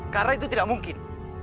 karena itu tidak mungkin